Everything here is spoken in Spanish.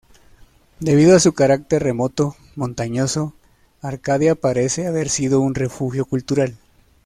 Debido a su carácter remoto, montañoso, Arcadia parece haber sido un refugio cultural.